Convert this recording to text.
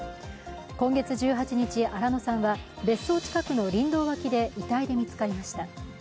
今月１８日、新野さんは別荘近くの林道脇で遺体で見つかりました。